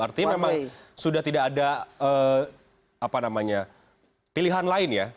artinya memang sudah tidak ada pilihan lain ya